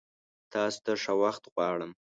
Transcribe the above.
تاسو ته ښه وخت غوړم!